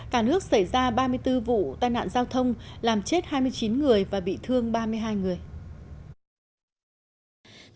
cả nước xảy ra ba mươi bốn vụ tai nạn giao thông làm chết hai mươi chín người và bị thương ba mươi hai người